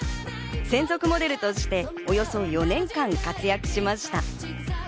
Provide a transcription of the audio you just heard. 専属モデルとしておよそ４年間活躍しました。